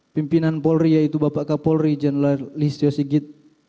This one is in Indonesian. pimpinan polri yaitu bapak kapolri jenderal listio sigit